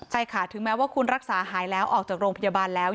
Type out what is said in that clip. ใช่ค่ะถึงแม้ว่าคุณรักษาหายแล้วออกจากโรงพยาบาลแล้ว